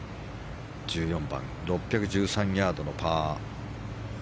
１４番、６１３ヤードのパー５。